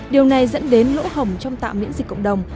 điều này dẫn đến lỗ hổng trong tạm miễn dịch cộng đồng